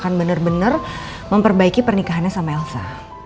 dia mau bener bener memperbaiki pernikahannya sama elsa